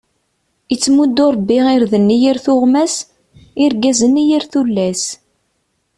Ittemuddu ṛebbi irden i yir tuɣmas, irggazen i yir tullas.